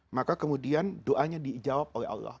maka kemudian doanya dijawab oleh allah